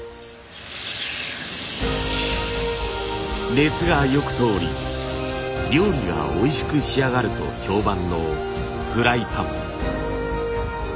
熱がよく通り料理がおいしく仕上がると評判のフライパン。